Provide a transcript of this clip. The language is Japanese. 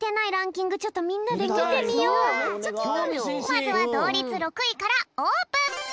まずはどうりつ６いからオープン！